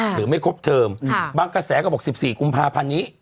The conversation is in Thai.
หรือไม่ครบเทอมบางกระแสก็บอก๑๔กุมภาพันธ์นี้